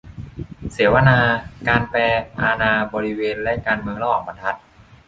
เสวนา "การแปล อาณาบริเวณ และการเมืองระหว่างบรรทัด"